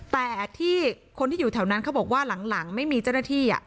แต่ที่คนที่อยู่แถวนั้นเขาบอกว่าหลังไม่มีเจ้าหน้าที่